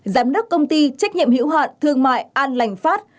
giám đốc công ty trách nhiệm hiểu hạn thương mại an lành phát